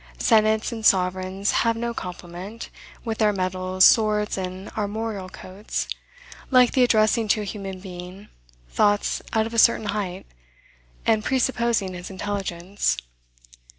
Senates and sovereigns have no compliment, with their medals, swords, and armorial coats, like the addressing to a human being thoughts out of a certain height, and presupposing his intelligence.